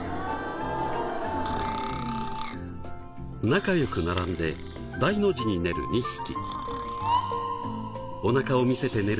仲良く並んで大の字に寝る２匹。